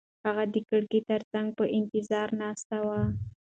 هغه د کړکۍ تر څنګ په انتظار ناسته وه.